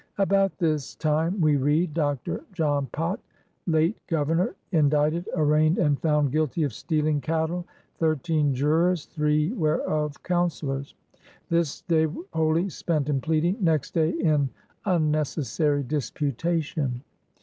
About this time we read: "Dr. John Pott, late Governor, in dicted, arraigned, and foimd guilty of stealing cattle, 13 jurors, 3 whereof councellors. This day wholly spent in pleading; next day, in unnecessary disputation."